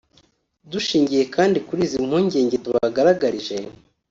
Dushingiye kandi kuri izi mpungenge tubagaragarije